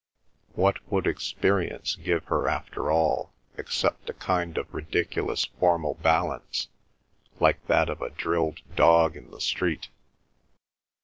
What would experience give her after all, except a kind of ridiculous formal balance, like that of a drilled dog in the street?